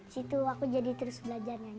di situ aku jadi terus belajar nyanyi